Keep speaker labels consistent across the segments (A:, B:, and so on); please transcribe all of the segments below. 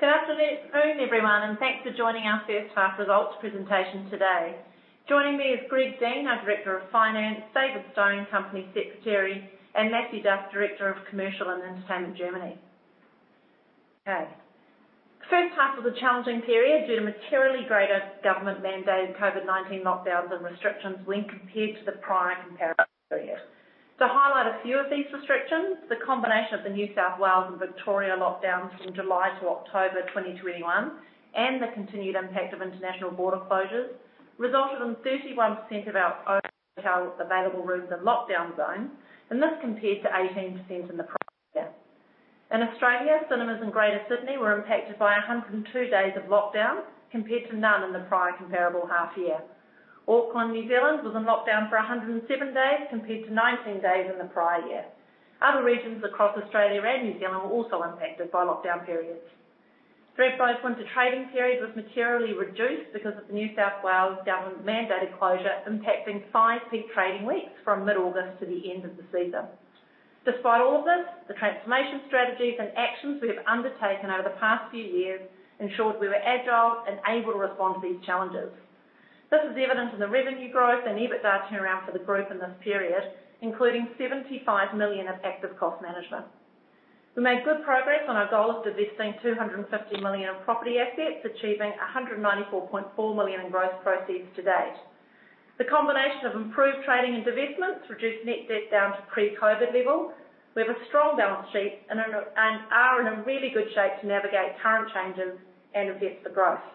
A: Good afternoon, everyone, and thanks for joining our first half results presentation today. Joining me is Greg Dean, our Director of Finance, David Stone, Company Secretary, and Matthew Duff, Director of Commercial and Entertainment Germany. Okay. First half was a challenging period due to materially greater government-mandated COVID-19 lockdowns and restrictions when compared to the prior comparable period. To highlight a few of these restrictions, the combination of the New South Wales and Victoria lockdowns from July to October 2021, and the continued impact of international border closures, resulted in 31% of our hotel's available rooms in lockdown zones, and this compares to 18% in the prior year. In Australia, cinemas in Greater Sydney were impacted by 102 days of lockdown compared to none in the prior comparable half year. Auckland, New Zealand, was in lockdown for 107 days compared to 19 days in the prior year. Other regions across Australia and New Zealand were also impacted by lockdown periods. Thredbo's winter trading period was materially reduced because of the New South Wales government-mandated closure, impacting five peak trading weeks from mid-August to the end of the season. Despite all of this, the transformation strategies and actions we have undertaken over the past few years ensured we were agile and able to respond to these challenges. This is evident in the revenue growth and EBITDA turnaround for the group in this period, including 75 million of active cost management. We made good progress on our goal of divesting 250 million in property assets, achieving 194.4 million in gross proceeds to date. The combination of improved trading and divestments reduced net debt down to pre-COVID level. We have a strong balance sheet and are in a really good shape to navigate current changes and effect the growth.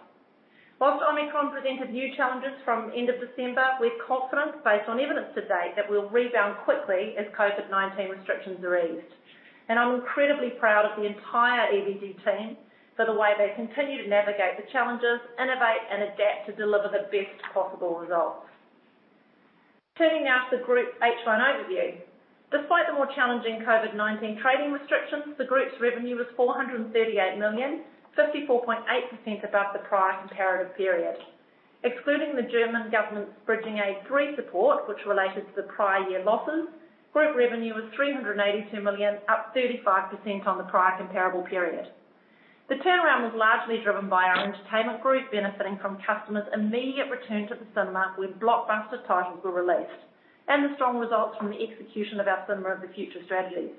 A: While Omicron presented new challenges from end of December, we're confident based on evidence to date, that we'll rebound quickly as COVID-19 restrictions are eased. I'm incredibly proud of the entire EVT team for the way they've continued to navigate the challenges, innovate and adapt to deliver the best possible results. Turning now to the group H1 overview. Despite the more challenging COVID-19 trading restrictions, the group's revenue was 438 million, 54.8% above the prior comparative period. Excluding the German government's Bridging Aid III support, which related to the prior year losses, group revenue was 382 million, up 35% on the prior comparable period. The turnaround was largely driven by our entertainment group benefiting from customers' immediate return to the cinema when blockbuster titles were released, and the strong results from the execution of our Cinema of the Future strategy.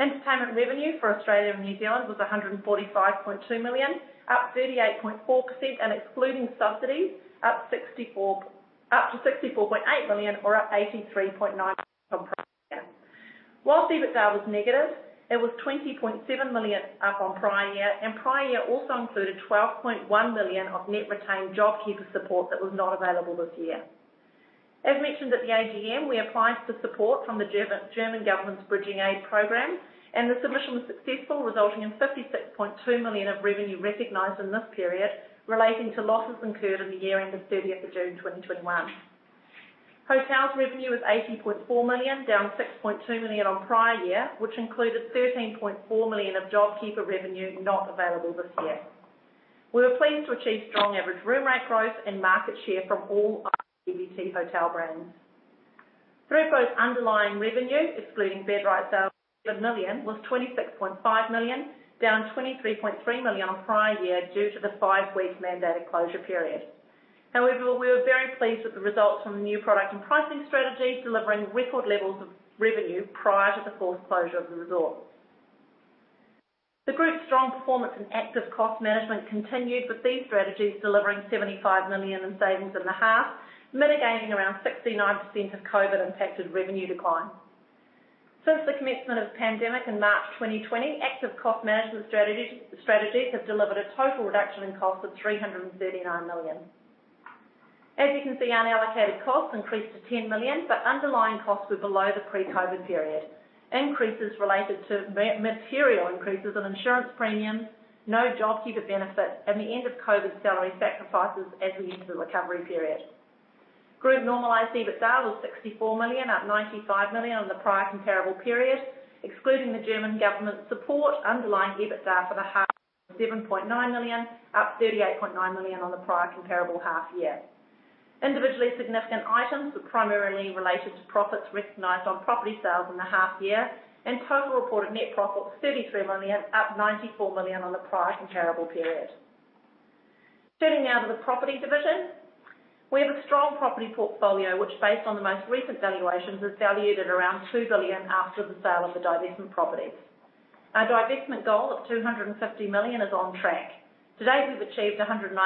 A: Entertainment revenue for Australia and New Zealand was 145.2 million, up 38.4%, and excluding subsidies, up 64.8 million or up 83.9%. While EBITDA was negative, it was 20.7 million up on prior year, and prior year also included 12.1 million of net retained JobKeeper support that was not available this year. As mentioned at the AGM, we applied for support from the German government's Bridging Aid program, and the submission was successful, resulting in 56.2 million of revenue recognized in this period, relating to losses incurred in the year ending June 30, 2021. Hotels revenue was 80.4 million, down 6.2 million on prior year, which included 13.4 million of JobKeeper revenue not available this year. We were pleased to achieve strong average room rate growth and market share from all EVT hotel brands. Thredbo's underlying revenue, excluding bed nights sales of 1 million, was 26.5 million, down 23.3 million on prior year due to the five-week mandated closure period. However, we were very pleased with the results from the new product and pricing strategies, delivering record levels of revenue prior to the forced closure of the resort. The group's strong performance and active cost management continued with these strategies delivering 75 million in savings in the half, mitigating around 69% of COVID-impacted revenue decline. Since the commencement of the pandemic in March 2020, active cost management strategies have delivered a total reduction in cost of 339 million. As you can see, unallocated costs increased to 10 million, but underlying costs were below the pre-COVID period. Increases related to material increases in insurance premiums, no JobKeeper benefit, and the end of COVID salary sacrifices as we enter the recovery period. Group normalized EBITDA was 64 million, up 95 million on the prior comparable period. Excluding the German government support, underlying EBITDA for the half, 7.9 million, up 38.9 million on the prior comparable half year. Individually significant items were primarily related to profits recognized on property sales in the half year, and total reported net profit of 33 million, up 94 million on the prior comparable period. Turning now to the property division. We have a strong property portfolio, which based on the most recent valuations, is valued at around 2 billion after the sale of the divestment properties. Our divestment goal of 250 million is on track. To date, we've achieved 194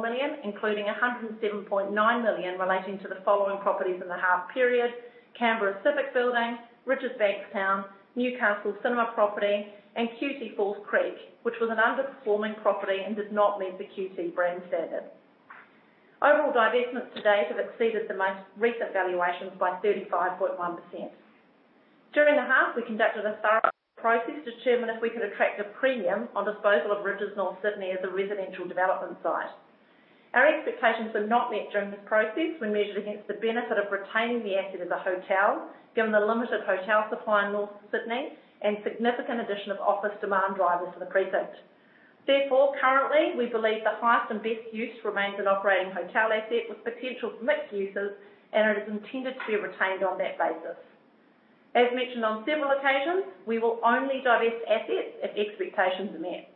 A: million, including 107.9 million relating to the following properties in the half period: Canberra Civic Building, Riverstone, Newcastle Cinema property, and QT Falls Creek, which was an underperforming property and does not meet the QT brand standard. Overall divestments to date have exceeded the most recent valuations by 35.1%. During the half, we conducted a thorough process to determine if we could attract a premium on disposal of Rydges North Sydney as a residential development site. Our expectations were not met during this process when measured against the benefit of retaining the asset as a hotel, given the limited hotel supply in North Sydney and significant addition of office demand drivers in the precinct. Therefore, currently, we believe the highest and best use remains an operating hotel asset with potential for mixed uses, and it is intended to be retained on that basis. As mentioned on several occasions, we will only divest assets if expectations are met.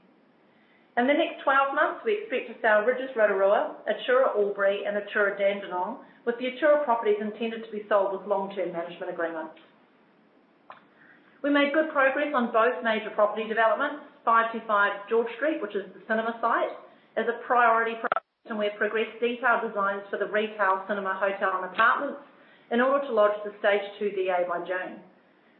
A: In the next 12 months, we expect to sell Rydges Rotorua, Atura Albury, and Atura Dandenong, with the Atura properties intended to be sold with long-term management agreements. We made good progress on both major property developments. 525 George Street, which is the cinema site, is a priority for us, and we have progressed detailed designs for the retail, cinema, hotel, and apartments in order to lodge the stage 2 DA by June.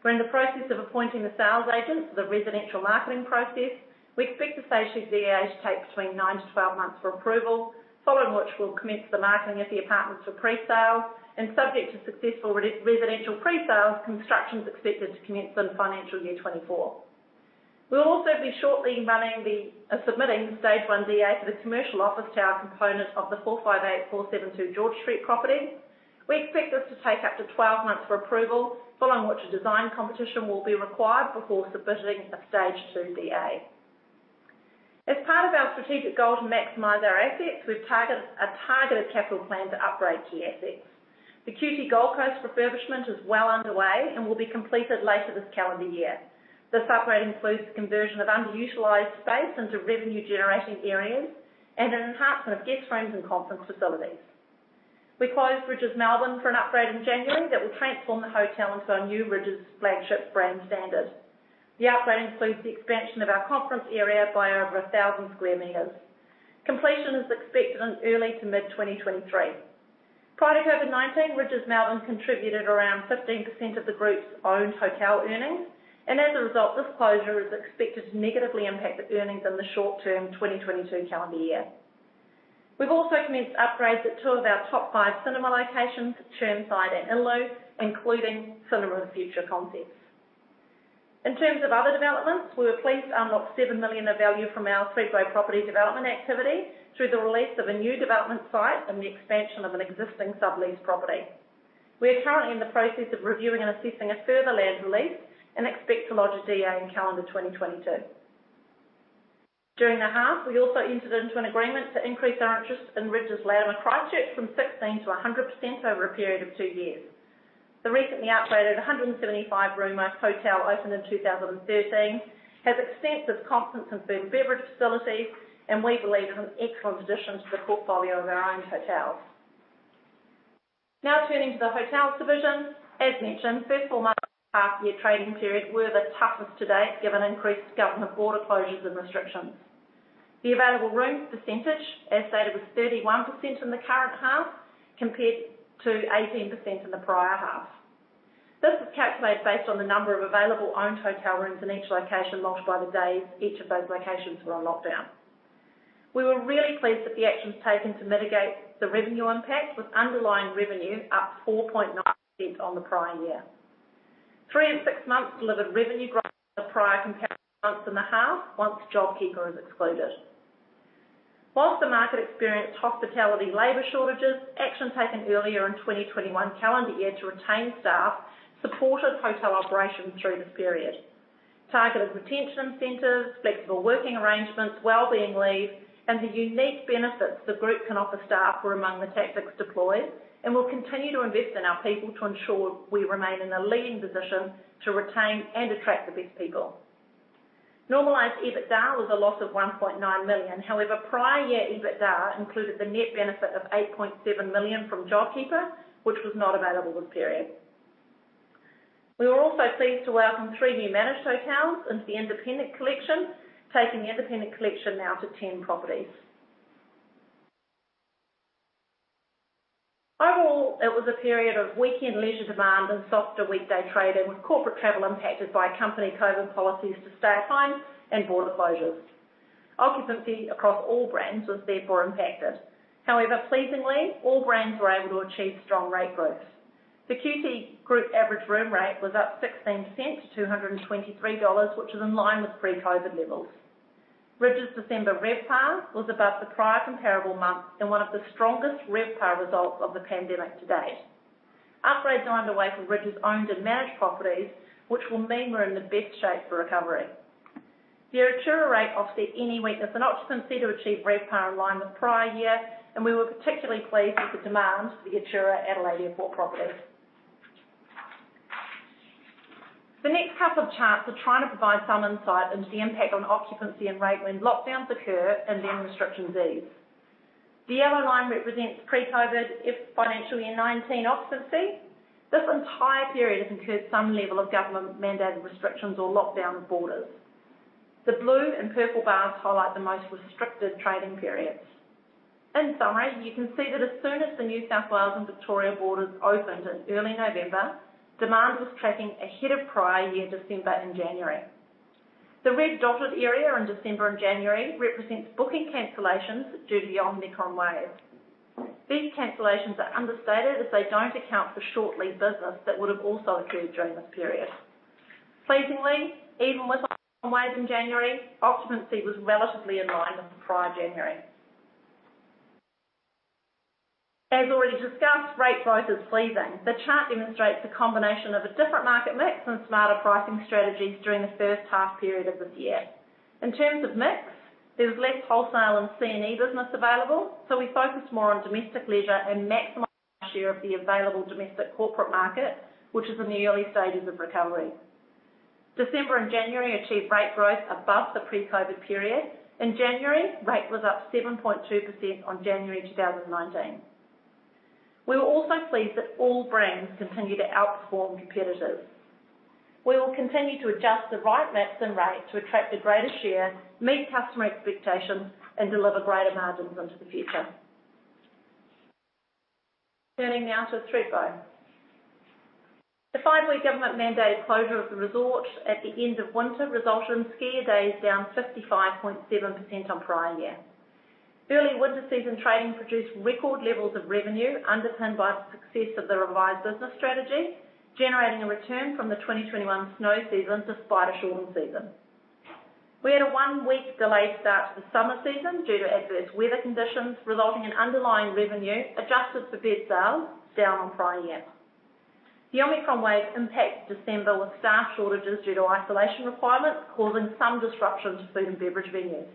A: We're in the process of appointing the sales agent for the residential marketing process. We expect the stage 2 DA to take between 9-12 months for approval, following which we'll commence the marketing of the apartments for presale, and subject to successful residential presales, construction is expected to commence in FY 2024. We'll also be shortly submitting the stage 1 DA for the commercial office tower component of the 458-472 George Street property. We expect this to take up to 12 months for approval, following which a design competition will be required before submitting a stage 2 DA. As part of our strategic goal to maximize our assets, we have a targeted capital plan to upgrade key assets. The QT Gold Coast refurbishment is well underway and will be completed later this calendar year. This upgrade includes the conversion of underutilized space into revenue-generating areas and an enhancement of guest rooms and conference facilities. We closed Rydges Melbourne for an upgrade in January that will transform the hotel into our new Rydges flagship brand standard. The upgrade includes the expansion of our conference area by over 1,000 sq m. Completion is expected in early to mid-2023. Prior to COVID-19, Rydges Melbourne contributed around 15% of the group's owned hotel earnings, and as a result, this closure is expected to negatively impact the earnings in the short-term 2022 calendar year. We've also commenced upgrades at two of our top five cinema locations, Chermside and Innaloo, including Cinema of the Future concepts. In terms of other developments, we were pleased to unlock 7 million of value from our Thredbo property development activity through the release of a new development site and the expansion of an existing subleased property. We are currently in the process of reviewing and assessing a further land release and expect to lodge a DA in calendar 2022. During the half, we also entered into an agreement to increase our interest in Rydges Latimer in Christchurch from 16% to 100% over a period of two years. The recently upgraded 175-room hotel opened in 2013, has extensive conference and food and beverage facilities, and we believe is an excellent addition to the portfolio of our owned hotels. Now turning to the hotel division. As mentioned, first four months of the half year trading period were the toughest to date, given increased government border closures and restrictions. The available room percentage, as stated, was 31% in the current half compared to 18% in the prior half. This was calculated based on the number of available owned hotel rooms in each location multiplied by the days each of those locations were on lockdown. We were really pleased that the actions taken to mitigate the revenue impact. Underlying revenue was up 4.9% on the prior year. The three and six months delivered revenue growth in the half compared to the prior months, once JobKeeper is excluded. While the market experienced hospitality labor shortages, action taken earlier in 2021 to retain staff supported hotel operations through this period. Targeted retention incentives, flexible working arrangements, well-being leave, and the unique benefits the group can offer staff were among the tactics deployed, and we'll continue to invest in our people to ensure we remain in a leading position to retain and attract the best people. Normalized EBITDA was a loss of 1.9 million. However, prior year EBITDA included the net benefit of 8.7 million from JobKeeper, which was not available this period. We were also pleased to welcome three new managed hotels into the Independent Collection, taking the Independent Collection now to 10 properties. Overall, it was a period of weekend leisure demand and softer weekday trading, with corporate travel impacted by company COVID policies to stay at home and border closures. Occupancy across all brands was therefore impacted. However, pleasingly, all brands were able to achieve strong rate growth. The QT Group average room rate was up 16% to 223 dollars, which is in line with pre-COVID levels. Rydges December RevPAR was above the prior comparable month and one of the strongest RevPAR results of the pandemic to date. Upgrades are underway for Rydges owned and managed properties, which will mean we're in the best shape for recovery. The Atura rate offset any weakness in occupancy to achieve RevPAR in line with prior year, and we were particularly pleased with the demand for the Atura Adelaide Airport property. The next couple of charts are trying to provide some insight into the impact on occupancy and rate when lockdowns occur and then restrictions ease. The yellow line represents pre-COVID financial year 2019 occupancy. This entire period has incurred some level of government-mandated restrictions or lockdown of borders. The blue and purple bars highlight the most restricted trading periods. In summary, you can see that as soon as the New South Wales and Victoria borders opened in early November, demand was tracking ahead of prior year December and January. The red dotted area in December and January represents booking cancellations due to the Omicron wave. These cancellations are understated, as they don't account for short lead business that would have also occurred during this period. Pleasingly, even with Omicron wave in January, occupancy was relatively in line with the prior January. As already discussed, rate growth is pleasing. The chart demonstrates a combination of a different market mix and smarter pricing strategies during the first half period of this year. In terms of mix, there's less wholesale and C&E business available, so we focused more on domestic leisure and maximized our share of the available domestic corporate market, which is in the early stages of recovery. December and January achieved rate growth above the pre-COVID-19 period. In January, rate was up 7.2% on January 2019. We were also pleased that all brands continued to outperform competitors. We will continue to adjust the right mix and rate to attract the greatest share, meet customer expectations, and deliver greater margins into the future. Turning now to Thredbo. The five-week government mandated closure of the resort at the end of winter resulted in skier days down 55.7% on prior year. Early winter season trading produced record levels of revenue underpinned by the success of the revised business strategy, generating a return from the 2021 snow season despite a shortened season. We had a one-week delayed start to the summer season due to adverse weather conditions, resulting in underlying revenue adjusted for bed sales down on prior year. The Omicron wave impacted December with staff shortages due to isolation requirements, causing some disruption to food and beverage venues.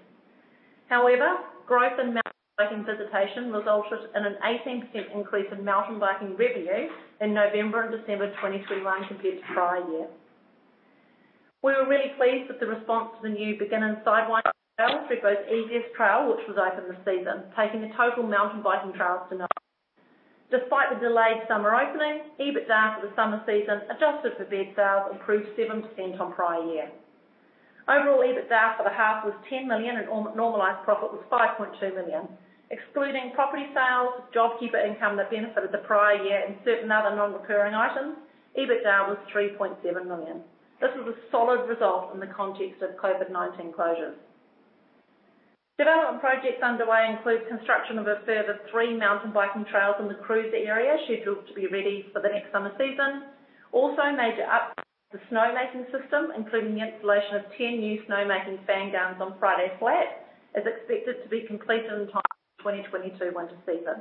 A: However, growth in mountain biking visitation resulted in an 18% increase in mountain biking revenue in November and December 2021 compared to prior year. We were really pleased with the response to the new beginner Sidewinder trail, Thredbo's easiest trail, which was open this season, taking the total mountain biking trails to nine. Despite the delayed summer opening, EBITDA for the summer season, adjusted for bed sales, improved 7% on prior year. Overall, EBITDA for the half was 10 million and non-normalized profit was 5.2 million. Excluding property sales, JobKeeper income that benefited the prior year, and certain other non-recurring items, EBITDA was 3.7 million. This is a solid result in the context of COVID-19 closures. Development projects underway include construction of a further three mountain biking trails in the Cruiser area, scheduled to be ready for the next summer season. Also, a major upgrade to the snowmaking system, including the installation of 10 new snowmaking fan guns on Friday Flat, is expected to be completed in time for the 2022 winter season.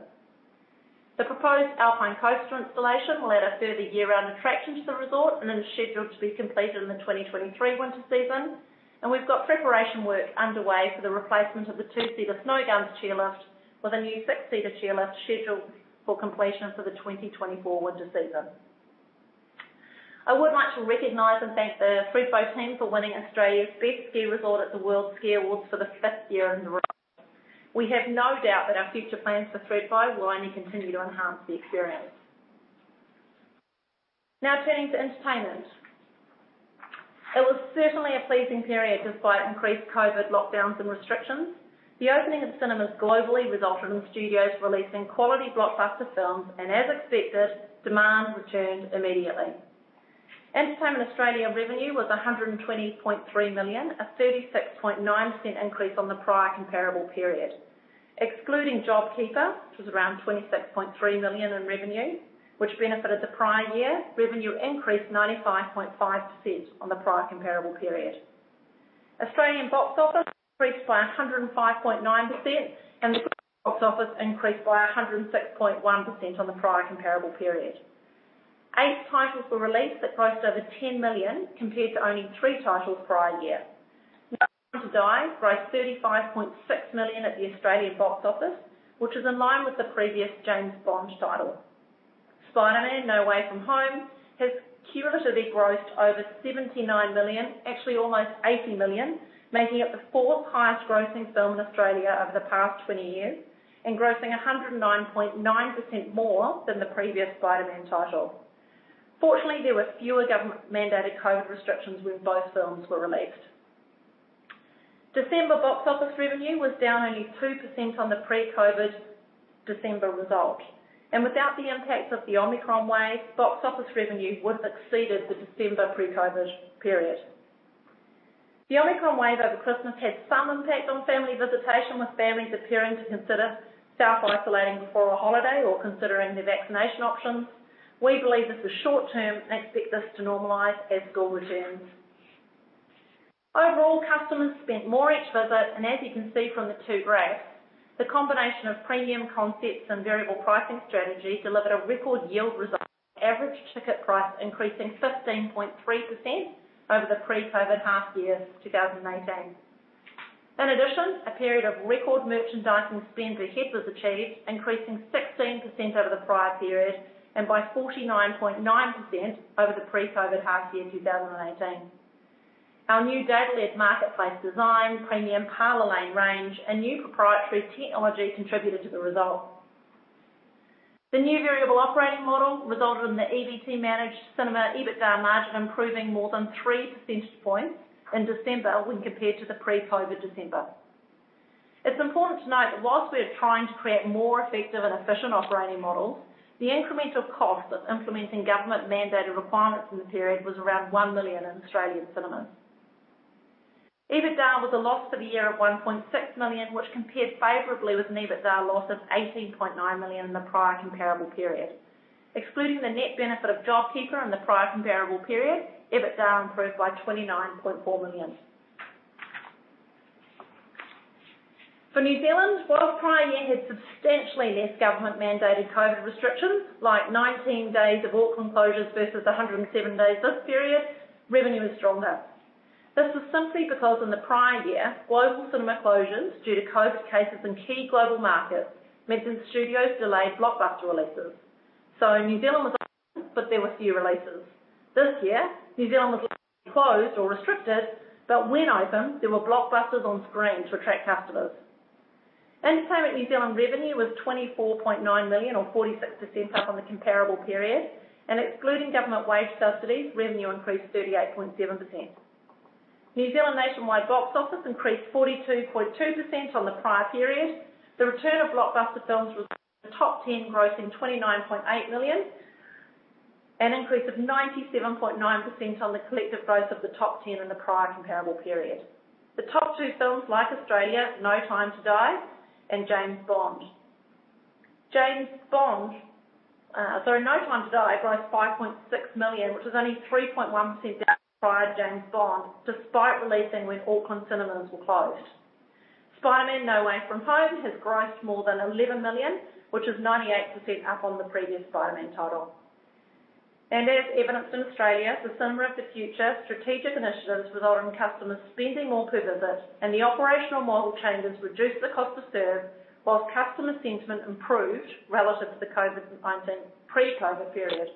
A: The proposed Alpine Coaster installation will add a further year-round attraction to the resort and is scheduled to be completed in the 2023 winter season. We've got preparation work underway for the replacement of the two-seater Snowgums chairlift with a new six-seater chairlift scheduled for completion for the 2024 winter season. I would like to recognize and thank the Thredbo team for winning Australia's Best Ski Resort at the World Ski Awards for the fifth year in a row. We have no doubt that our future plans for Thredbo will only continue to enhance the experience. Now turning to Entertainment. It was certainly a pleasing period despite increased COVID lockdowns and restrictions. The opening of cinemas globally resulted in studios releasing quality blockbuster films. As expected, demand returned immediately. Entertainment Australia revenue was 120.3 million, a 36.9% increase on the prior comparable period. Excluding JobKeeper, which was around 26.3 million in revenue, which benefited the prior year, revenue increased 95.5% on the prior comparable period. Australian box office increased by 105.9%, and the box office increased by 106.1% on the prior comparable period. Eight titles were released that grossed over 10 million, compared to only three titles prior year. No Time to Die grossed 35.6 million at the Australian box office, which is in line with the previous James Bond title. Spider-Man: No Way Home has cumulatively grossed over 79 million, actually almost 80 million, making it the fourth highest grossing film in Australia over the past 20 years and grossing 109.9% more than the previous Spider-Man title. Fortunately, there were fewer government mandated COVID restrictions when both films were released. December box office revenue was down only 2% on the pre-COVID December result. Without the impacts of the Omicron wave, box office revenue would have exceeded the December pre-COVID period. The Omicron wave over Christmas had some impact on family visitation, with families appearing to consider self-isolating before a holiday or considering their vaccination options. We believe this is short term and expect this to normalize as school returns. Overall, customers spent more each visit. As you can see from the two graphs, the combination of premium concepts and variable pricing strategy delivered a record yield result, average ticket price increasing 15.3% over the pre-COVID half year 2018. In addition, a period of record merchandising spend ahead was achieved, increasing 16% over the prior period and by 49.9% over the pre-COVID half year 2018. Our new data-led marketplace design, premium Parlour Lane range, and new proprietary technology contributed to the result. The new variable operating model resulted in the EVT-managed cinema EBITDA margin improving more than 3 percentage points in December when compared to the pre-COVID December. It's important to note that while we are trying to create more effective and efficient operating models, the incremental cost of implementing government mandated requirements in the period was around 1 million in Australian cinemas. EBITDA was a loss for the year at 1.6 million, which compared favorably with an EBITDA loss of 18.9 million in the prior comparable period. Excluding the net benefit of JobKeeper in the prior comparable period, EBITDA improved by 29.4 million. For New Zealand, while the prior year had substantially less government-mandated COVID restrictions, like 19 days of Auckland closures versus 107 days this period, revenue is stronger. This is simply because in the prior year, global cinema closures due to COVID cases in key global markets meant some studios delayed blockbuster releases. New Zealand was open, but there were few releases. This year, New Zealand was closed or restricted, but when open, there were blockbusters on screen to attract customers. Entertainment New Zealand revenue was 24.9 million or 46% up on the comparable period. Excluding government wage subsidies, revenue increased 38.7%. New Zealand nationwide box office increased 42.2% on the prior period. The return of blockbuster films was the top 10 grossing 29.8 million, an increase of 97.9% on the collective gross of the top 10 in the prior comparable period. The top two films, like in Australia, No Time to Die, and James Bond. James Bond, sorry, No Time to Die grossed 5.6 million, which was only 3.1% down from prior James Bond, despite releasing when Auckland cinemas were closed. Spider-Man: No Way Home has grossed more than 11 million, which is 98% up on the previous Spider-Man title. As evidenced in Australia, the Cinema of the Future strategic initiatives resulting in customers spending more per visit and the operational model changes reduced the cost to serve, while customer sentiment improved relative to the COVID-19, pre-COVID period.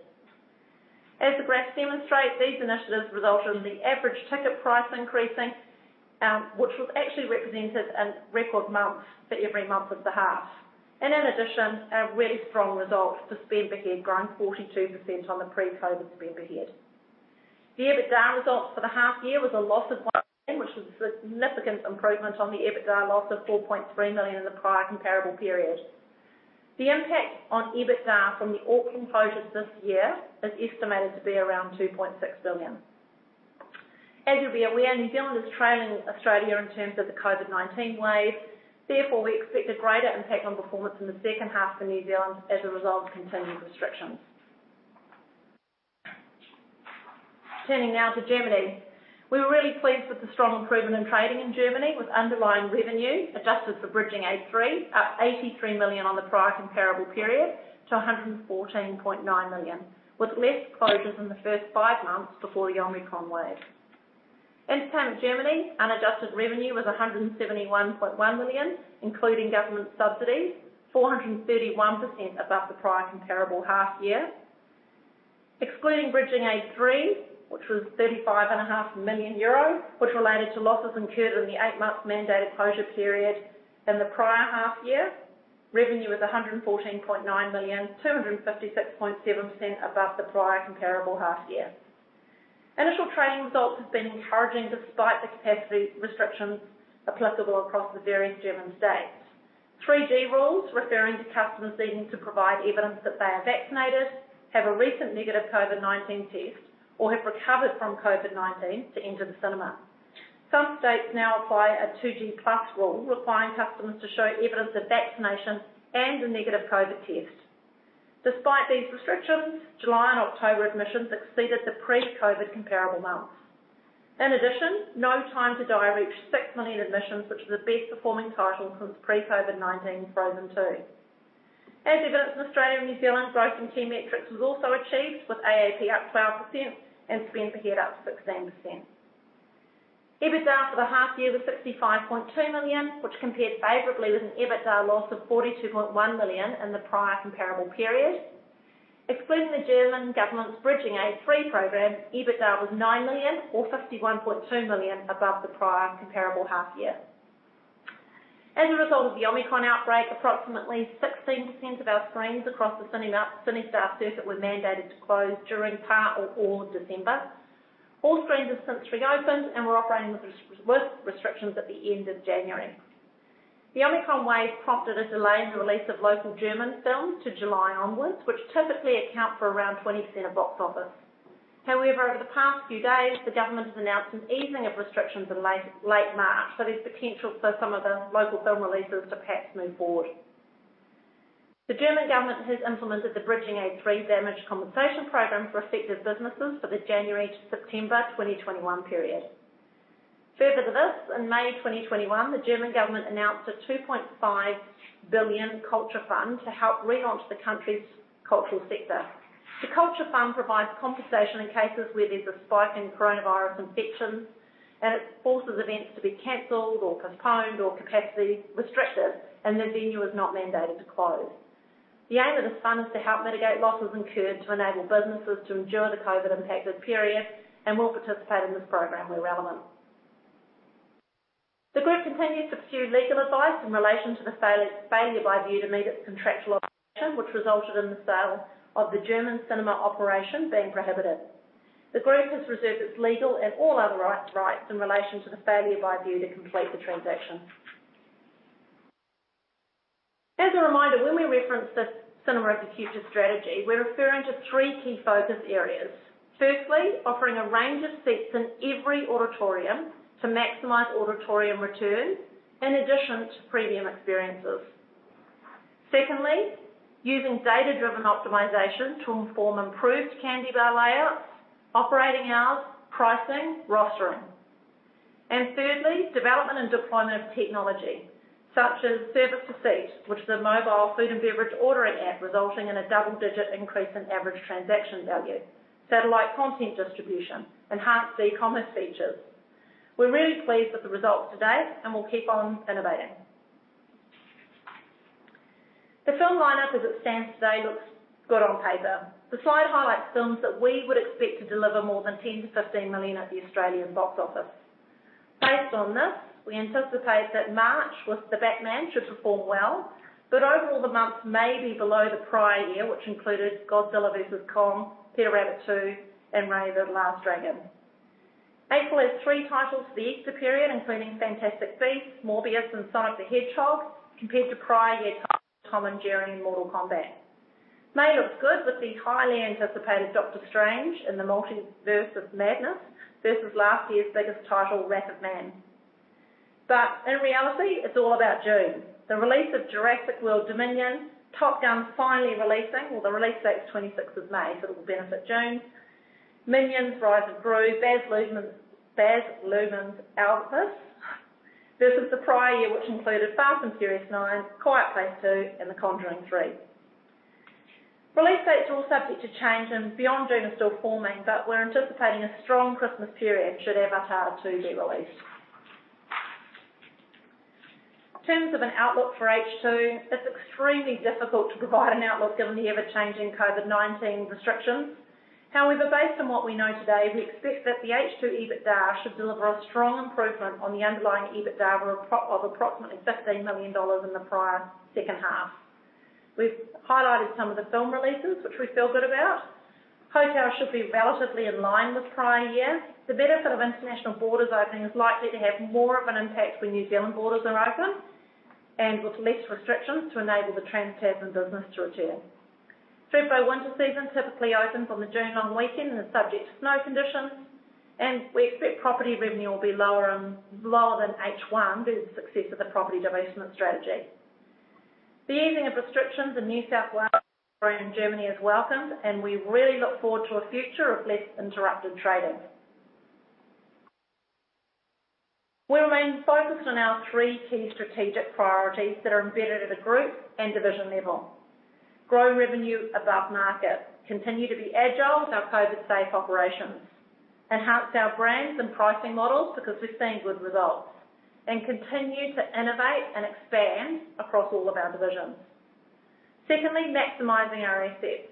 A: As the graphs demonstrate, these initiatives resulted in the average ticket price increasing, which was actually represented in record months for every month of the half. In addition, a really strong result to spend per head growing 42% on the pre-COVID spend per head. The EBITDA results for the half year was a loss of 1 million, which was a significant improvement on the EBITDA loss of 4.3 million in the prior comparable period. The impact on EBITDA from the Auckland closures this year is estimated to be around 2.6 million. As you're aware, New Zealand is trailing Australia in terms of the COVID-19 wave. Therefore, we expect a greater impact on performance in the second half for New Zealand as a result of continued restrictions. Turning now to Germany. We were really pleased with the strong improvement in trading in Germany, with underlying revenue, adjusted for Bridging Aid III, up 83 million on the prior comparable period to 114.9 million, with less closures in the first five months before the Omicron wave. Entertainment Germany unadjusted revenue was 171.1 million, including government subsidies, 431% above the prior comparable half year. Excluding Bridging Aid III, which was 35.5 million euros, which related to losses incurred in the eight-month mandated closure period in the prior half year, revenue was 114.9 million, 256.7% above the prior comparable half year. Initial trading results have been encouraging despite the capacity restrictions applicable across the various German states. 3G rules, referring to customers needing to provide evidence that they are vaccinated, have a recent negative COVID-19 test, or have recovered from COVID-19 to enter the cinema. Some states now apply a 2G plus rule, requiring customers to show evidence of vaccination and a negative COVID test. Despite these restrictions, July and October admissions exceeded the pre-COVID comparable months. In addition, No Time to Die reached 6 million admissions, which is the best-performing title since pre-COVID-19's Frozen II. As evidenced in Australia and New Zealand, gross and key metrics was also achieved, with AAP up 12% and spend per head up 16%. EBITDA for the half year was 65.2 million, which compared favorably with an EBITDA loss of 42.1 million in the prior comparable period. Excluding the German government's Bridging Aid III program, EBITDA was 9 million or 51.2 million above the prior comparable half year. As a result of the Omicron outbreak, approximately 16% of our screens across the CineStar circuit were mandated to close during part or all of December. All screens have since reopened, and we're operating with restrictions at the end of January. The Omicron wave prompted a delay in the release of local German films to July onwards, which typically account for around 20% of box office. However, over the past few days, the government has announced an easing of restrictions in late March, so there's potential for some of the local film releases to perhaps move forward. The German government has implemented the Bridging Aid III damage compensation program for affected businesses for the January to September 2021 period. Further to this, in May 2021, the German government announced a 2.5 billion culture fund to help relaunch the country's cultural sector. The culture fund provides compensation in cases where there's a spike in coronavirus infections, and it forces events to be canceled or postponed or capacity restricted, and the venue is not mandated to close. The aim of this fund is to help mitigate losses incurred to enable businesses to endure the COVID-impacted period and will participate in this program where relevant. The group continues to pursue legal advice in relation to the failure by Vue International to meet its contractual obligation, which resulted in the sale of the German cinema operation being prohibited. The group has reserved its legal and all other rights in relation to the failure by Vue International to complete the transaction. As a reminder, when we reference the Cinema of the Future strategy, we're referring to three key focus areas. Firstly, offering a range of seats in every auditorium to maximize auditorium return in addition to premium experiences. Secondly, using data-driven optimization to inform improved candy bar layouts, operating hours, pricing, rostering. Thirdly, development and deployment of technology such as service to seat, which is a mobile food and beverage ordering app resulting in a double-digit increase in average transaction value, satellite content distribution, enhanced e-commerce features. We're really pleased with the results to date, and we'll keep on innovating. The film lineup as it stands today looks good on paper. The slide highlights films that we would expect to deliver more than 10 million-15 million at the Australian box office. Based on this, we anticipate that March, with The Batman, should perform well, but overall the months may be below the prior year, which included Godzilla vs. Kong, Peter Rabbit 2, and Raya and the Last Dragon. April has three titles for the Easter period, including Fantastic Beasts, Morbius, and Sonic the Hedgehog 2, compared to prior year titles Tom and Jerry and Mortal Kombat. May looks good with the highly anticipated Doctor Strange in the Multiverse of Madness versus last year's biggest title, Wrath of Man. In reality, it's all about June, the release of Jurassic World: Dominion, Top Gun: Maverick finally releasing. Well, the release date's May 26th, so it'll benefit June. Minions: Rise of Gru. Baz Luhrmann's Elvis versus the prior year, which included Fast & Furious 9, Quiet Place 2, and The Conjuring 3. Release dates are all subject to change, and beyond June is still forming, but we're anticipating a strong Christmas period should Avatar 2 be released. In terms of an outlook for H2, it's extremely difficult to provide an outlook given the ever-changing COVID-19 restrictions. However, based on what we know today, we expect that the H2 EBITDA should deliver a strong improvement on the underlying EBITDA of approximately 15 million dollars in the prior second half. We've highlighted some of the film releases, which we feel good about. Hotel should be relatively in line with prior year. The benefit of international borders opening is likely to have more of an impact when New Zealand borders are open, and with less restrictions to enable the trans-Tasman business to return. Thredbo's Winter Season typically opens on the June long weekend and is subject to snow conditions, and we expect property revenue will be lower than H1 due to the success of the property divestment strategy. The easing of restrictions in New South Wales and Germany is welcomed, and we really look forward to a future of less interrupted trading. We remain focused on our three key strategic priorities that are embedded at the group and division level. Grow revenue above market. Continue to be agile with our COVID safe operations. Enhance our brands and pricing models because we've seen good results. Continue to innovate and expand across all of our divisions. Secondly, maximizing our assets.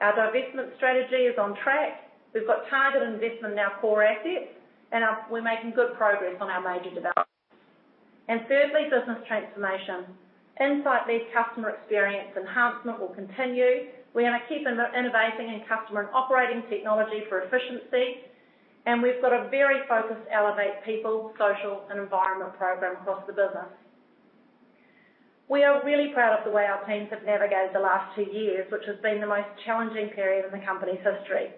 A: Our divestment strategy is on track. We've got targeted investment in our core assets, and we're making good progress on our major developments. Thirdly, business transformation. Insight-led customer experience enhancement will continue. We're gonna keep innovating in customer and operating technology for efficiency, and we've got a very focused Elevate people, social, and environment program across the business. We are really proud of the way our teams have navigated the last two years, which has been the most challenging period in the company's history.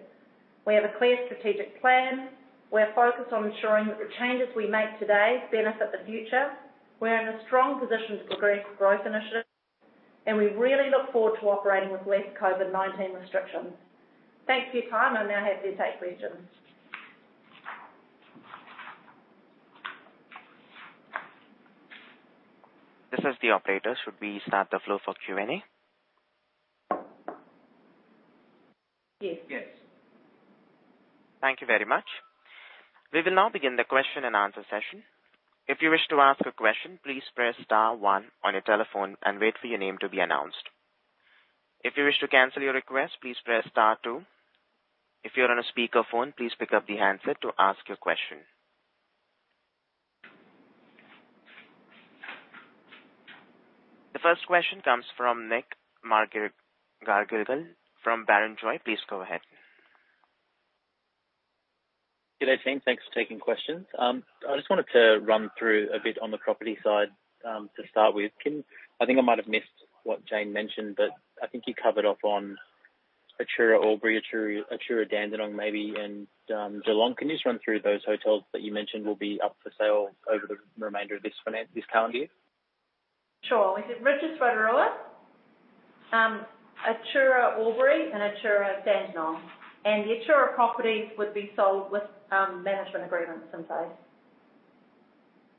A: We have a clear strategic plan. We're focused on ensuring that the changes we make today benefit the future. We're in a strong position to progress growth initiatives, and we really look forward to operating with less COVID-19 restrictions. Thanks for your time. I'm now happy to take questions.
B: This is the operator. Should we open the floor for Q&A?
A: Yes. Yes.
B: Thank you very much. We will now begin the question and answer session. If you wish to ask a question, please press star one on your telephone and wait for your name to be announced. If you wish to cancel your request, please press star two. If you're on a speakerphone, please pick up the handset to ask your question. The first question comes from Nick McGarrigle from Barrenjoey. Please go ahead.
C: Good day, team. Thanks for taking questions. I just wanted to run through a bit on the property side, to start with. I think I might have missed what Jane mentioned, but I think you covered off on Atura Albury, Atura Dandenong maybe, and Geelong. Can you just run through those hotels that you mentioned will be up for sale over the remainder of this calendar year?
A: Sure. We said Rydges Rotorua, Atura Albury, and Atura Dandenong. The Atura properties would be sold with management agreements in place.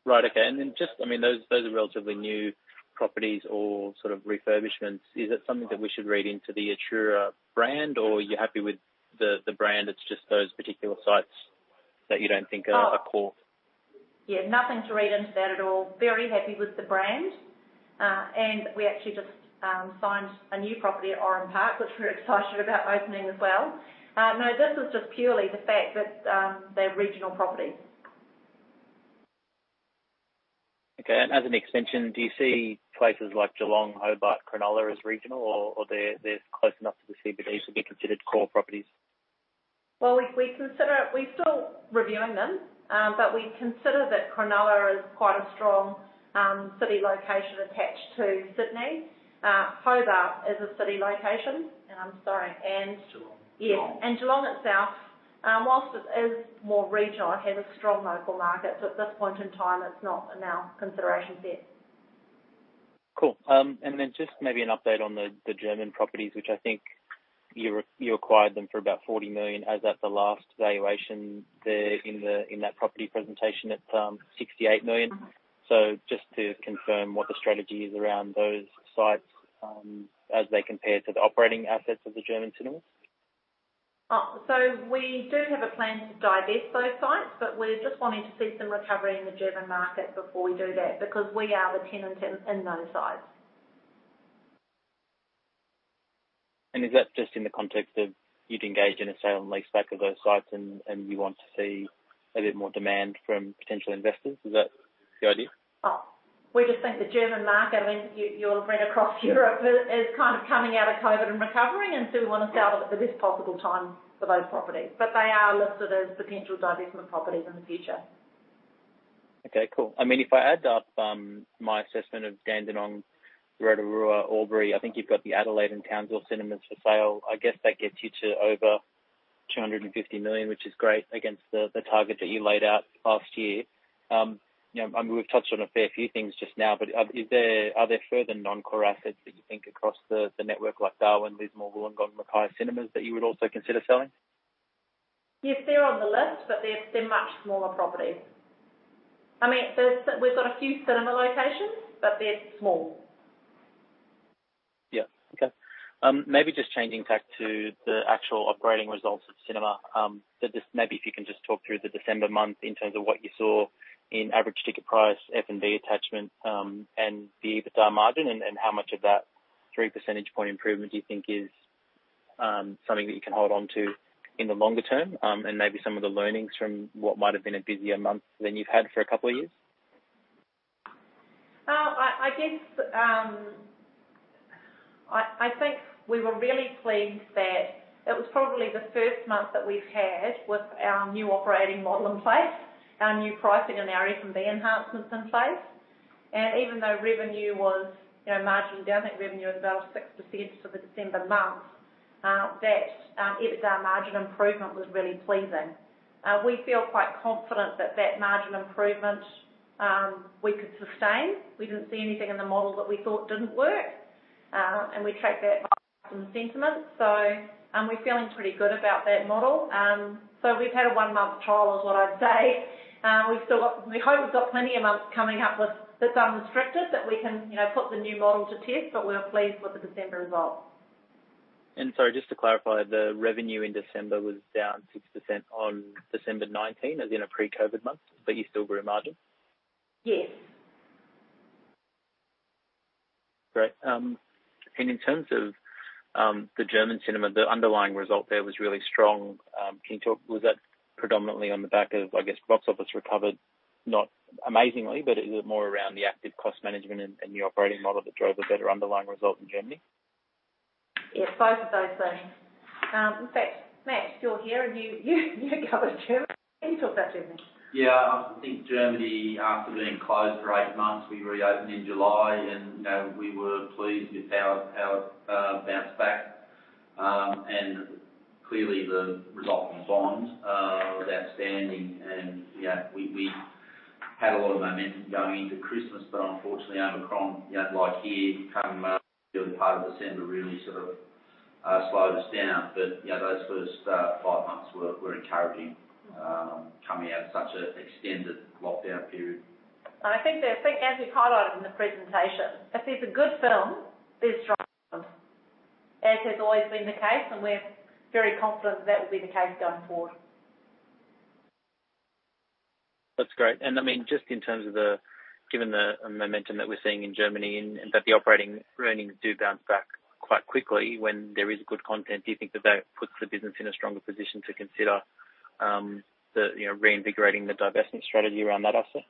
C: Right. Okay. Just, I mean, those are relatively new properties or sort of refurbishments. Is that something that we should read into the Atura brand, or are you happy with the brand? It's just those particular sites that you don't think are core?
A: Yeah, nothing to read into that at all. Very happy with the brand. We actually just signed a new property at Oran Park, which we're excited about opening as well. No, this is just purely the fact that they're regional properties.
C: Okay. As an extension, do you see places like Geelong, Hobart, Cronulla as regional or they're close enough to the CBD to be considered core properties?
A: Well, we consider it. We're still reviewing them, but we consider that Cronulla is quite a strong city location attached to Sydney. Hobart is a city location. I'm sorry, Geelong. Yeah, and Geelong itself, while it is more regional, it has a strong local market, so at this point in time, it's not in our consideration set.
C: Cool. Just maybe an update on the German properties, which I think you acquired them for about 40 million. As at the last valuation there in that property presentation, it's 68 million.
A: Mm-hmm.
C: Just to confirm what the strategy is around those sites, as they compare to the operating assets of the German cinemas.
A: We do have a plan to divest those sites, but we're just wanting to see some recovery in the German market before we do that because we are the tenant in those sites.
C: Is that just in the context of you'd engage in a sale and lease back of those sites and you want to see a bit more demand from potential investors? Is that the idea?
A: Oh, we just think the German market, when you look across Europe, is kind of coming out of COVID and recovery, so we wanna sell them at the best possible time for those properties. They are listed as potential divestment properties in the future.
C: Okay, cool. I mean, if I add up my assessment of Dandenong, Rotorua, Albury, I think you've got the Adelaide and Townsville cinemas for sale. I guess that gets you to over 250 million, which is great against the target that you laid out last year. You know, I mean, we've touched on a fair few things just now, but is there further non-core assets that you think across the network like Darwin, Lismore, Wollongong, Mackay Cinemas that you would also consider selling?
A: Yes, they're on the list, but they're much smaller properties. I mean, we've got a few cinema locations, but they're small.
C: Yeah. Okay. Maybe just changing back to the actual operating results of cinema. So just maybe if you can just talk through the December month in terms of what you saw in average ticket price, F&B attachment, and the EBITDA margin, and how much of that 3 percentage point improvement do you think is something that you can hold on to in the longer term, and maybe some of the learnings from what might have been a busier month than you've had for a couple of years?
A: I guess I think we were really pleased that it was probably the first month that we've had with our new operating model in place, our new pricing, and our F&B enhancements in place. Even though revenue was marginally down, you know, I think revenue was about 6% for the December month, that EBITDA margin improvement was really pleasing. We feel quite confident that that margin improvement we could sustain. We didn't see anything in the model that we thought didn't work, and we tracked that sentiment. We're feeling pretty good about that model. We've had a one-month trial is what I'd say. We've still got We hope we've got plenty of months coming up with that's unrestricted that we can, you know, put the new model to test, but we're pleased with the December results.
C: Sorry, just to clarify, the revenue in December was down 6% on December 2019 as in a pre-COVID month, but you still grew margin?
A: Yes.
C: Great. In terms of the German cinema, the underlying result there was really strong. Can you talk, was that predominantly on the back of, I guess, box office recovered, not amazingly, but is it more around the active cost management and the operating model that drove a better underlying result in Germany?
A: Yes, both of those things. In fact, Matt, you're here and you go to Germany. Can you talk about Germany?
D: I think Germany, after being closed for eight months, we reopened in July and, you know, we were pleased with how it bounced back. Clearly the result in Bond was outstanding and we had a lot of momentum going into Christmas, unfortunately Omicron, like here, came out during part of December, really sort of slowed us down. You know, those first 5 months were encouraging coming out of such an extended lockdown period.
A: I think the thing, as we've highlighted in the presentation, if there's a good film, there's strong. As has always been the case, and we're very confident that will be the case going forward.
C: That's great. I mean, just in terms of, given the momentum that we're seeing in Germany and that the operating earnings do bounce back quite quickly when there is good content, do you think that puts the business in a stronger position to consider, you know, reinvigorating the divestment strategy around that asset?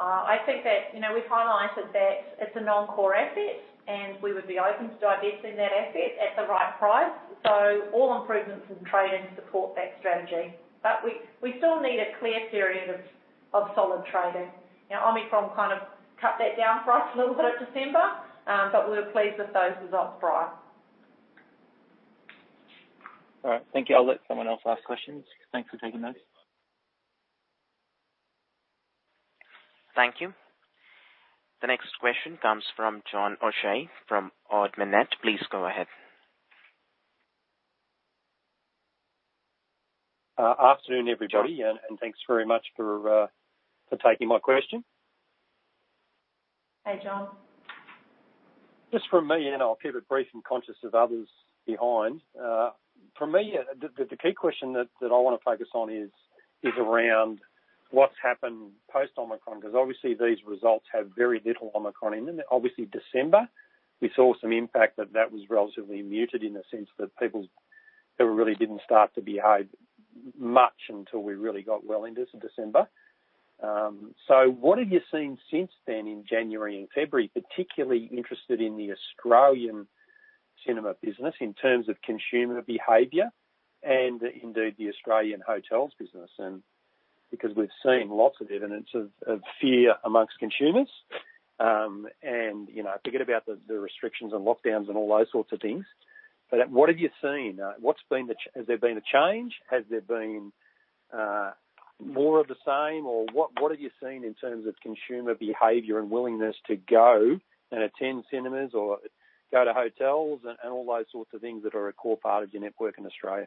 A: I think that, you know, we've highlighted that it's a non-core asset and we would be open to divesting that asset at the right price. All improvements in trading support that strategy. We still need a clear period of solid trading. Now, Omicron kind of cut that down for us a little bit in December, but we were pleased with those results prior.
C: All right. Thank you. I'll let someone else ask questions. Thanks for taking those.
B: Thank you. The next question comes from John O'Shea from Ord Minnett. Please go ahead.
E: Good afternoon, everybody. Thanks very much for taking my question.
A: Hey, John.
E: Just from me, and I'll keep it brief and conscious of others behind. For me, the key question that I wanna focus on is around what's happened post Omicron, 'cause obviously these results have very little Omicron in them. Obviously December, we saw some impact, but that was relatively muted in the sense that people, they really didn't start to behave much until we really got well into December. So what have you seen since then in January and February? Particularly interested in the Australian cinema business in terms of consumer behavior and indeed the Australian hotels business and Because we've seen lots of evidence of fear among consumers. You know, forget about the restrictions and lockdowns and all those sorts of things. What have you seen? Has there been a change? Has there been more of the same? What have you seen in terms of consumer behavior and willingness to go and attend cinemas or go to hotels and all those sorts of things that are a core part of your network in Australia?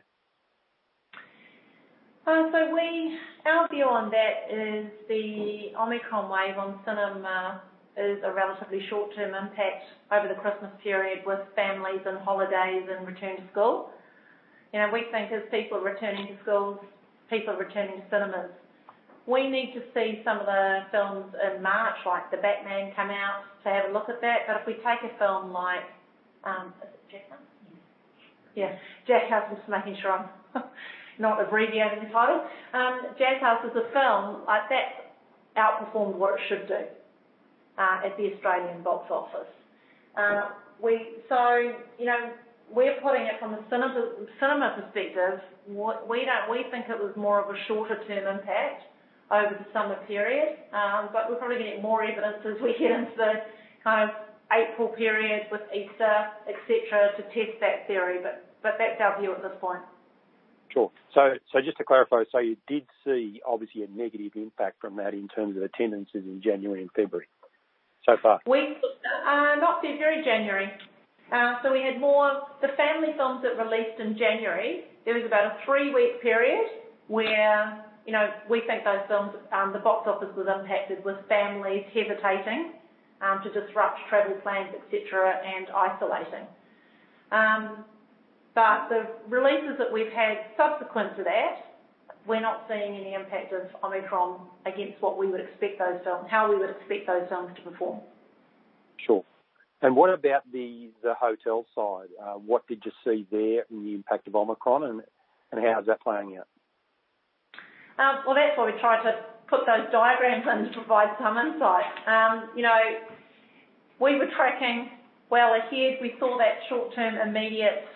A: Our view on that is the Omicron wave on cinema is a relatively short-term impact over the Christmas period with families and holidays and return to school. You know, we think as people are returning to schools, people are returning to cinemas. We need to see some of the films in March, like The Batman, come out to have a look at that. If we take a film like, is it Jackass? Yes. Yeah. Jackass, just making sure I'm not abbreviating the title. Jackass is a film, like, that outperformed what it should do at the Australian box office. You know, we're putting it from a cinema perspective, we think it was more of a shorter term impact over the summer period. We're probably getting more evidence as we get into the kind of April period with Easter, et cetera, to test that theory. That's our view at this point.
E: Sure. Just to clarify, you did see obviously a negative impact from that in terms of attendances in January and February so far?
A: We did not get through very January. The family films that released in January, there was about a three-week period where, you know, we think those films, the box office was impacted with families hesitating to disrupt travel plans, et cetera, and isolating. The releases that we've had subsequent to that, we're not seeing any impact of Omicron against what we would expect those films, how we would expect those films to perform.
E: Sure. What about the hotel side? What did you see there in the impact of Omicron and how is that playing out?
A: Well, that's why we tried to put those diagrams in to provide some insight. You know, we were tracking well ahead. We saw that short-term immediate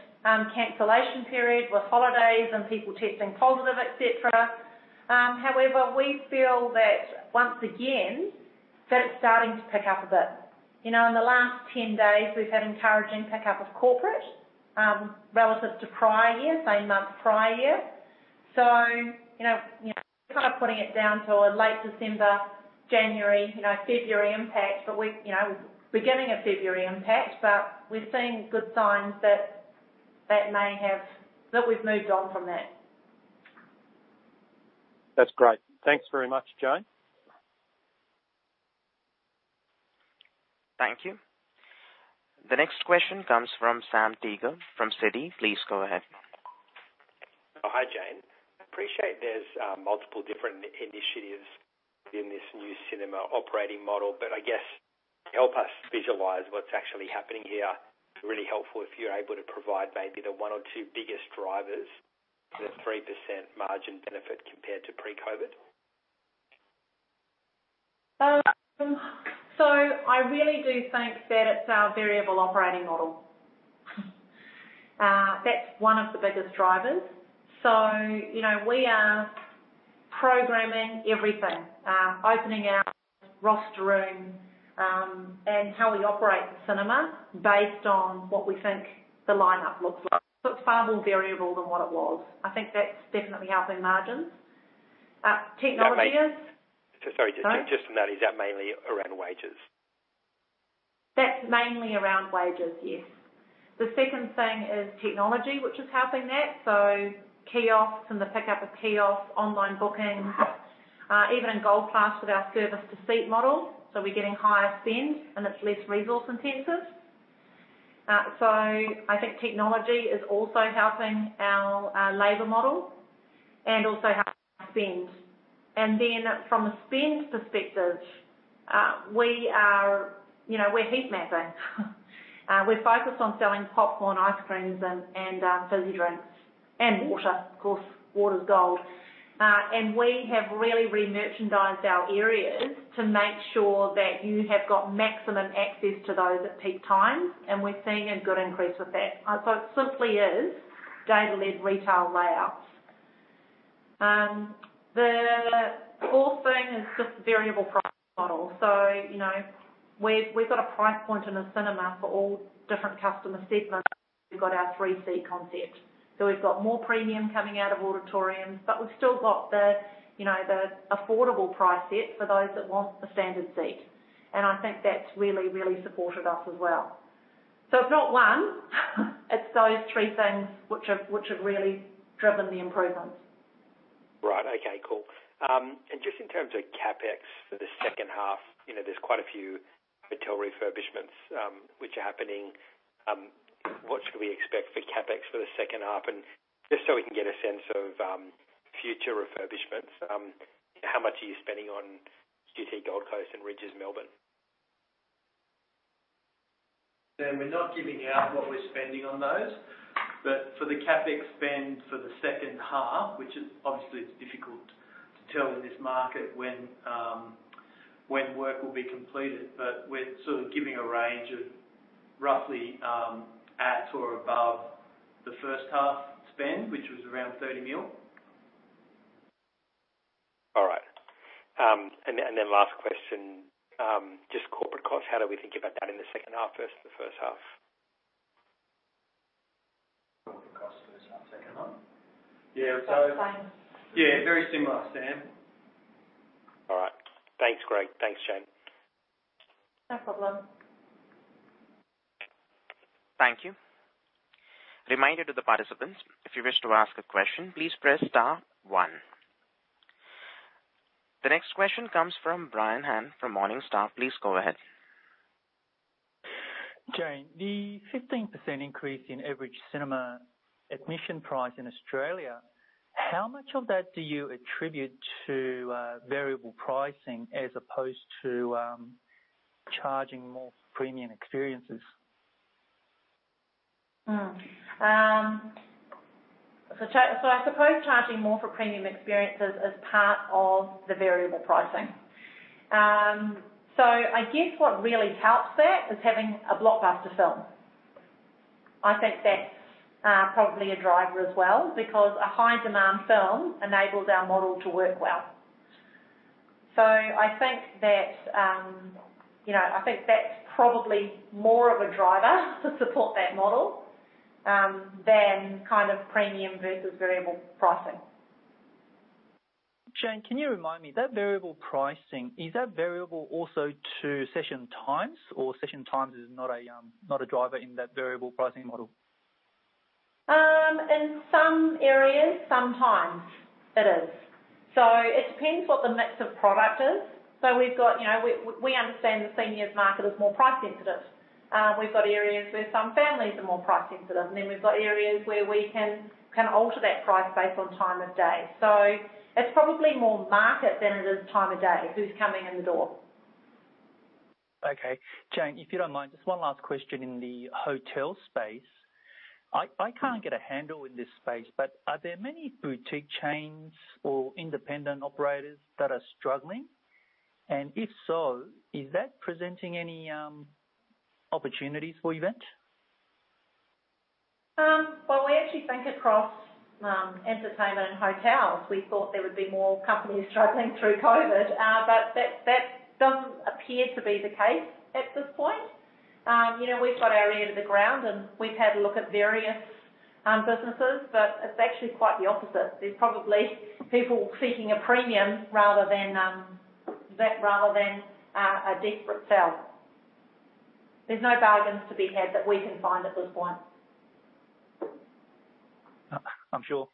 A: cancellation period with holidays and people testing positive, et cetera. However, we feel that once again it's starting to pick up a bit. You know, in the last 10 days we've had encouraging pick-up of corporate relative to prior year, same month, prior year. You know, kind of putting it down to a late December, January, you know, February impact. We, you know, beginning of February impact, but we're seeing good signs that we've moved on from that.
E: That's great. Thanks very much, Jane.
B: Thank you. The next question comes from Sam Teeger from Citi. Please go ahead.
F: Oh, hi, Jane. I appreciate there's multiple different initiatives in this new cinema operating model, but I guess help us visualize what's actually happening here. It's really helpful if you're able to provide maybe the one or two biggest drivers for the 3% margin benefit compared to pre-COVID.
A: I really do think that it's our variable operating model. That's one of the biggest drivers. You know, we are programming everything, opening our roster room, and how we operate the cinema based on what we think the lineup looks like. It's far more variable than what it was. I think that's definitely helping margins. Technology is-
F: Sorry.
A: Sorry.
F: Just to know, is that mainly around wages?
A: That's mainly around wages, yes. The second thing is technology, which is helping that. Kiosks and the pickup of kiosks, online bookings, even in Gold Class with our service to seat model. We're getting higher spend and it's less resource intensive. I think technology is also helping our labor model and also helping spend. From a spend perspective, we are, you know, we're heat mapping. We're focused on selling popcorn, ice creams and fizzy drinks and water. Of course, water's gold. We have really re-merchandised our areas to make sure that you have got maximum access to those at peak times, and we're seeing a good increase with that. It simply is data-led retail layouts. The fourth thing is just the variable price model. you know, we've got a price point in the cinema for all different customer segments. We've got our three-seat concept, so we've got more premium coming out of auditoriums, but we've still got the, you know, the affordable price set for those that want the standard seat. I think that's really, really supported us as well. It's not one, it's those three things which have really driven the improvements.
F: Right. Okay, cool. Just in terms of CapEx for the second half, you know, there's quite a few hotel refurbishments, which are happening. What should we expect for CapEx for the second half? Just so we can get a sense of future refurbishments, how much are you spending on QT Gold Coast and Rydges Melbourne?
G: Sam, we're not giving out what we're spending on those, but for the CapEx spend for the second half, which is obviously it's difficult to tell in this market when. When work will be completed, but we're sort of giving a range of roughly, at or above the first half spend, which was around 30 million.
F: All right. Last question, just corporate costs. How do we think about that in the second half versus the first half?
G: Corporate costs for the second half.
A: Yeah.
G: Same. Yeah, very similar, Sam.
F: All right. Thanks, Greg. Thanks, Jane.
A: No problem.
B: Thank you. Reminder to the participants, if you wish to ask a question, please press star one. The next question comes from Brian Han from Morningstar. Please go ahead.
H: Jane, the 15% increase in average cinema admission price in Australia, how much of that do you attribute to, variable pricing as opposed to, charging more premium experiences?
A: I suppose charging more for premium experiences is part of the variable pricing. I guess what really helps that is having a blockbuster film. I think that's probably a driver as well because a high demand film enables our model to work well. I think that, you know, I think that's probably more of a driver to support that model than kind of premium versus variable pricing.
H: Jane, can you remind me, that variable pricing, is that variable also to session times or session times is not a driver in that variable pricing model?
A: In some areas, sometimes it is. It depends what the mix of product is. We've got, you know, we understand the seniors market is more price sensitive. We've got areas where some families are more price sensitive, and then we've got areas where we can alter that price based on time of day. It's probably more market than it is time of day, who's coming in the door.
H: Okay. Jane, if you don't mind, just one last question in the hotel space. I can't get a handle in this space, but are there many boutique chains or independent operators that are struggling? If so, is that presenting any opportunities for Event?
A: Well, we actually think across entertainment and hotels, we thought there would be more companies struggling through COVID, but that doesn't appear to be the case at this point. You know, we've got our ear to the ground, and we've had a look at various businesses, but it's actually quite the opposite. There's probably people seeking a premium rather than a desperate sale. There's no bargains to be had that we can find at this point.
H: I'm sure.